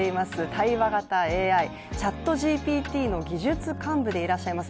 対話型ＡＩＣｈａｔＧＰＴの技術幹部でいらっしゃいます